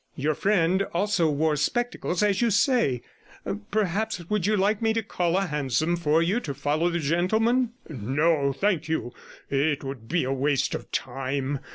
Your friend also wore spectacles, as you say. Perhaps you would like me to call a hansom for you to follow the gentleman?' 'No, thank you; it would be a waste of time.'